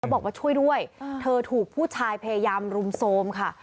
บอกว่าช่วยด้วยเธอถูกผู้ชายพยายามรุมโทรมค่ะ